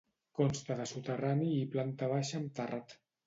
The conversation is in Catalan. Consta de soterrani i planta baixa amb terrat.